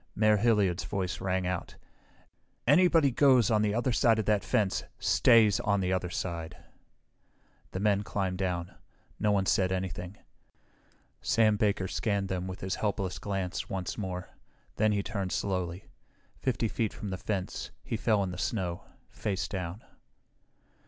Mayor Hilliard's voice rang out, "Anybody who goes on the other side of that fence stays on the other side!" The men climbed down. No one said anything. Sam Baker scanned them with his helpless glance once more. Then he turned slowly. Fifty feet from the fence he fell in the snow, face down.